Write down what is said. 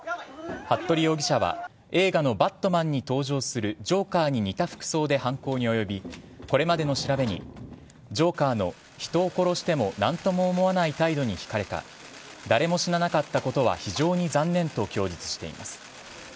服部容疑者は映画の「バットマン」に登場するジョーカーに似た服装で犯行に及びこれまでの調べにジョーカーの人を殺しても何とも思わない態度に引かれた誰も死ななかったことは非常に残念と供述しています。